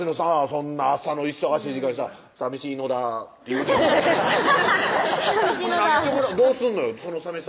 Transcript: そんな朝の忙しい時間にさ「さみしいのだ」ってどうすんのよそのさみしさ